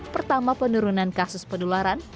pertama penurunan kasus pedularan